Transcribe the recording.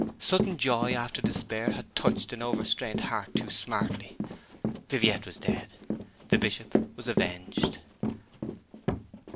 Sudden joy after despair had touched an over strained heart too smartly. Viviette was dead. The Bishop was avenged.